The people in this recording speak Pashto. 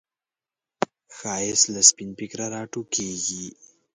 ښایست له سپین فکره راټوکېږي